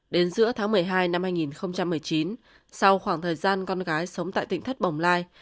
đến giữa tháng một mươi hai năm hai nghìn một mươi chín sau khoảng thời gian con gái sống tại tỉnh thất bồng lai